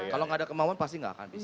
kalau gak ada kemauan pasti gak akan bisa